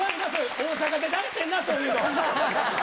大阪で慣れてんなそういうの！